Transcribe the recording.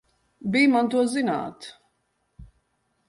Bij man to zināt!